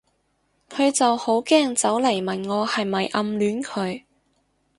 佢就好驚走嚟問我係咪暗戀佢